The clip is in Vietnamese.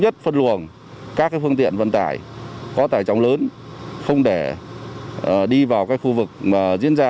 nhất phân luồng các cái phương tiện vận tải có tài trọng lớn không để đi vào cái khu vực mà diễn ra